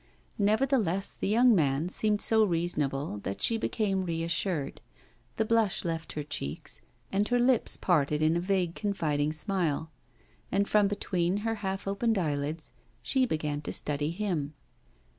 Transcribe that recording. Nevertheless, the young man seemed so reasonable that she became reassured. The blush left her cheeks, and her lips parted in a vague confiding smile. And from between her half opened eyelids she began to study him.